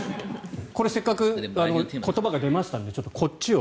これせっかく言葉が出ましたのでこっちを。